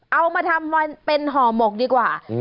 เอามาทำเป็นห่อหมกดีกว่า